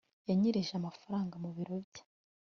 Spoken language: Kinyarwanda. yanyereje amafaranga mu biro bye